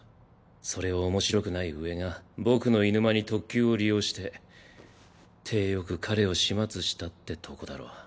それを面白くない上が僕のいぬ間に特級を利用して体よく彼を始末したってとこだろう。